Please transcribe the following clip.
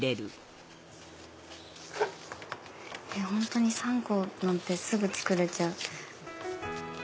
本当に３個なんてすぐ作れちゃう。